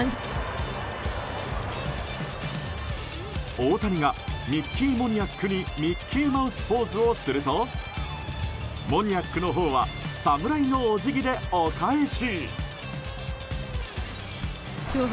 大谷がミッキー・モニアックにミッキーマウスポーズをするとモニアックのほうは侍のお辞儀で、お返し！